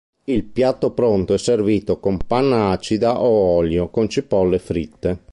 Il piatto pronto è servito con panna acida o olio con cipolle fritte.